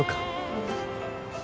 うん。